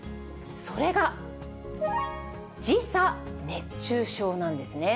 それが時差熱中症なんですね。